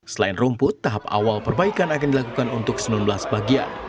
selain rumput tahap awal perbaikan akan dilakukan untuk sembilan belas bagian